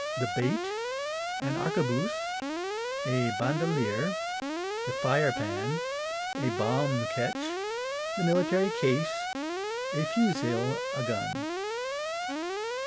The bait. An arquebuse A bandoleer The fire pan A bomb ketch The military case A fusil, a gun.